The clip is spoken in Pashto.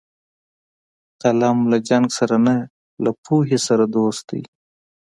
قلم له جنګ سره نه، له پوهې سره دوست دی